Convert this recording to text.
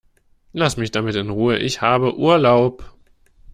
Lass mich damit in Ruhe, ich habe Urlaub!